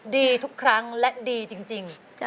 ดีทุกครั้งและดีจริง